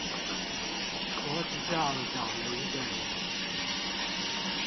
脖子上長了一個瘤